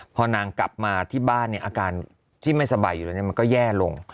พอนางกลับมาที่บ้านอาการที่ไม่สบายอยู่แล้วมันก็แย่ลง